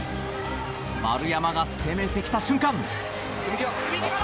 丸山が攻めてきた瞬間。